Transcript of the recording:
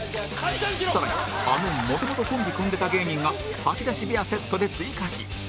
更にあの元々コンビ組んでた芸人が吐き出し部屋セットで追加し